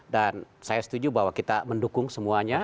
dan saya setuju bahwa kita mendukung semuanya